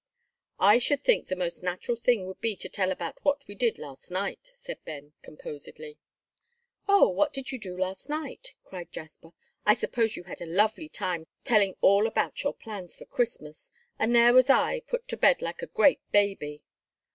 "I should think the most natural thing would be to tell about what we did last night," said Ben, composedly. "Oh, what did you do last night?" cried Jasper. "I suppose you had a lovely time telling all about your plans for Christmas, and there was I, put to bed like a great baby."